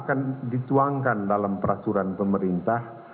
akan dituangkan dalam peraturan pemerintah